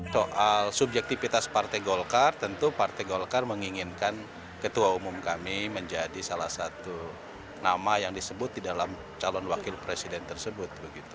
soal subjektivitas partai golkar tentu partai golkar menginginkan ketua umum kami menjadi salah satu nama yang disebut di dalam calon wakil presiden tersebut